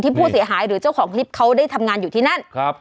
ผู้เสียหายหรือเจ้าของคลิปเขาได้ทำงานอยู่ที่นั่นครับ